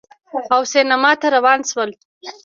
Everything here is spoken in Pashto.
او سینما ته روان شول